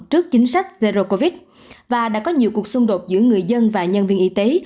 trước chính sách zero covid và đã có nhiều cuộc xung đột giữa người dân và nhân viên y tế